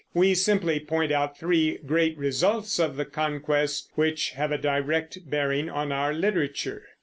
We simply point out three great results of the Conquest which have a direct bearing on our literature.